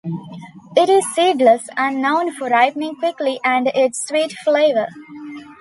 It is seedless and known for ripening quickly and its sweet flavor.